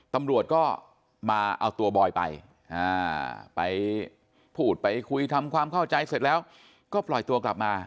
ตำรวจก็มาเอาตัวบอยไปไปพูดไปคุยทำความเข้าใจเสร็จแล้วก็ปล่อยตัวกลับมา